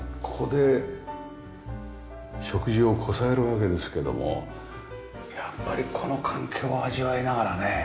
ここで食事をこさえるわけですけどもやっぱりこの環境を味わいながらね。